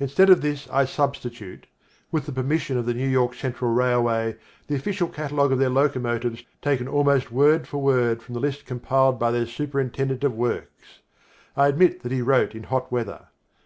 Instead of this I substitute, with the permission of the New York Central Railway, the official catalogue of their locomotives taken almost word for word from the list compiled by their superintendent of works. I admit that he wrote in hot weather.